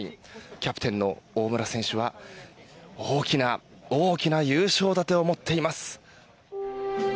キャプテンの大村選手は大きな大きな優勝盾を持っています。